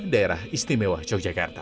daerah istimewa yogyakarta